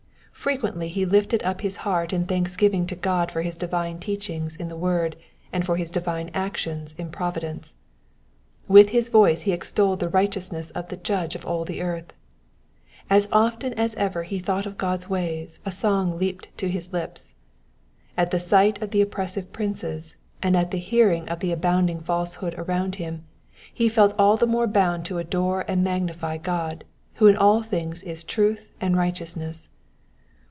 Frequently he lifted up his heart in thanksgiving to God for his divine' teachings in the word, and for his divine actions in providence. With his vioce he extolled the righteousness of the Judge of all the earth. As often as ever he thought of God's ways a song leaped to his lips. At the sight of the oppressive princes, and at the hearing of the abounding falsehood around him, he felt all the more bound to adore and magnify God, who in all things is truth and righteousness.